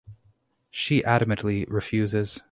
She adamantly refuses.